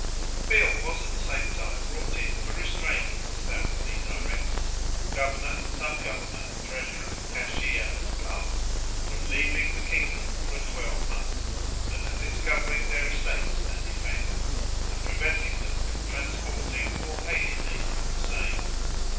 A bill was at the same time brought in for restraining the South Sea directors, governor, sub governor, treasurer, cashier, and clerks from leaving the kingdom for a twelvemonth, and for discovering their estates and effects, and preventing them from transporting or alienating the same.